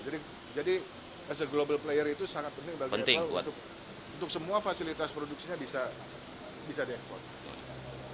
nah jadi global player itu sangat penting bagi apple untuk semua fasilitas produksinya bisa di export